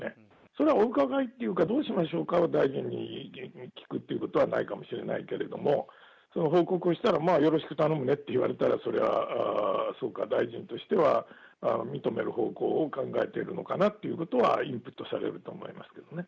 それはお伺いっていうか、どうしましょうか？を大臣に聞くっていうことはないかもしれないけれども、報告したら、まあ、よろしく頼むねって言われたら、それはそうか、大臣としては認める方向を考えているのかなということはインプットされると思いますけどね。